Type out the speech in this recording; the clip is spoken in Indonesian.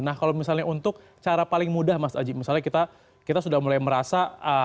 nah kalau misalnya untuk cara paling mudah mas aji misalnya kita sudah mulai merasa